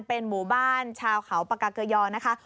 เป็นหมู่บ้านชาวเขาปากาเกยอนะคะ